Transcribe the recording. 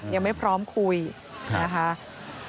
ยังไม่พร้อมคุยนะคะ